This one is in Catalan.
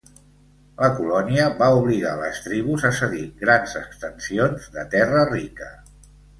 La colònia va obligar les tribus a cedir grans extensions de terra rica.